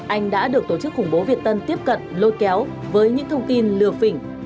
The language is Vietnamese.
anh đã được tổ chức khủng bố việt tân tiếp cận lôi kéo với những thông tin lừa phỉnh